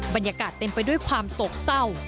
บรรยากาศเต็มไปด้วยความโศกเศร้า